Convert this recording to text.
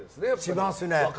しますね。